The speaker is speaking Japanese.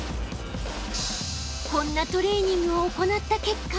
［こんなトレーニングを行った結果］